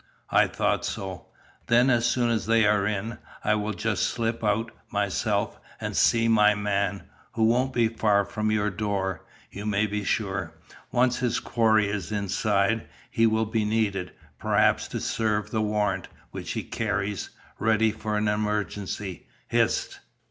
"I thought so. Then, as soon as they are in, I will just slip out, myself, and see my man, who won't be far from your door, you may be sure, once his quarry is inside. He will be needed, perhaps, to serve the warrant, which he carries, ready for an emergency. Hist!"